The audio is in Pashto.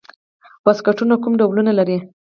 واسکټونه کوم ډولونه لري؟